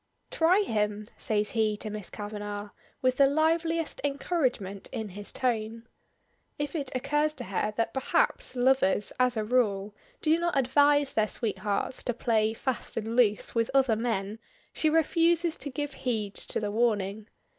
"Try him!" says he to Miss Kavanagh, with the liveliest encouragement in his tone. If it occurs to her that, perhaps, lovers, as a rule, do not advise their sweethearts to play fast and loose with other men, she refuses to give heed to the warning.